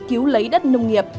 cứu lấy đất nông nghiệp